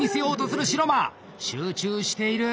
集中している。